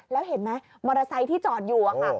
แล้วเห็นไหมมอเตอร์ไซค์ที่จอดอยู่อะค่ะ